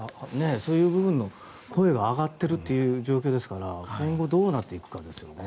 そういう部分の声が上がってる状況ですから今後、どうなっていくかですね。